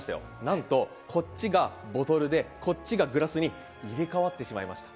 なんとこっちがボトルでこっちがグラスに入れ変わってしまいました。